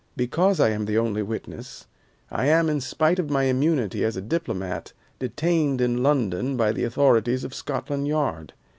Because I am the only witness, I am, in spite of my immunity as a diplomat, detained in London by the authorities of Scotland Yard.